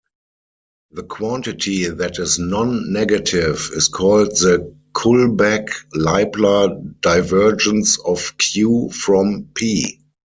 The quantity that is non-negative is called the Kullback-Leibler divergence of "q" from "p".